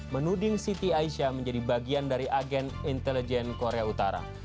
menuding siti aisyah menjadi bagian dari agen intelijen korea utara